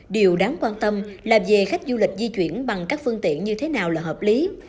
điều đáng quan tâm là về khách du lịch di chuyển bằng các phương tiện như thế nào là hợp lý